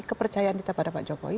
kepercayaan kita pada pak jokowi